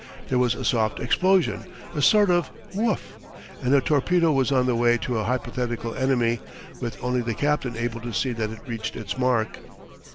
There was a soft explosion, a sort of woof! and a torpedo was on the way to a hypothetical enemy, with only the captain able to see that it reached its mark.